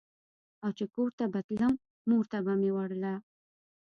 او چې کور ته به تلم مور ته به مې وړله.